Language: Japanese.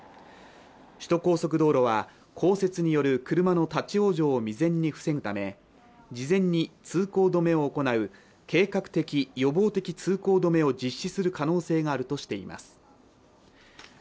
首都高速道路は降雪による車の立ち往生を未然に防ぐため事前に通行止めを行う計画的・予防的通行止めを実施する可能性があるとしています。